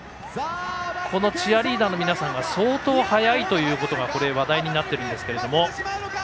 このチアリーダーの皆さんが相当、速いということが話題になっているんですが。